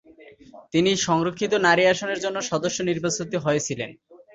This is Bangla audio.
তিনি সংরক্ষিত নারী আসনের জন্য সদস্য নির্বাচিত হয়েছিলেন।